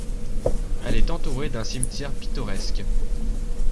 Elle est entourée d'un cimetière pittoresque.